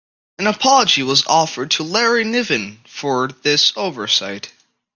An apology was offered to Larry Niven for this oversight.